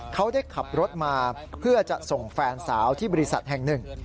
เขาได้ขับรถมาเพื่อจะส่งแฟนสาวที่บริษัทแห่งหนึ่ง